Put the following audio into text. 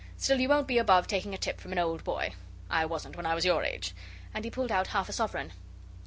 Still, you won't be above taking a tip from an old boy I wasn't when I was your age,' and he pulled out half a sovereign.